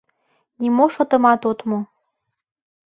Нимо шотымат от му.